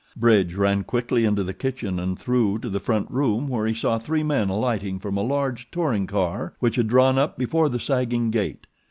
Bridge ran quickly into the kitchen and through to the front room where he saw three men alighting from a large touring car which had drawn up before the sagging gate.